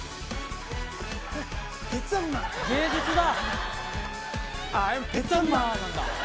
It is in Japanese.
芸術だ。